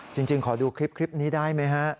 จริงขอดูคลิปนี้ได้ไหมฮะ